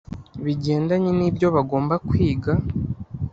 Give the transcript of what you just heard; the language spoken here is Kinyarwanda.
bigendanye n’ibyo bagomba kwiga,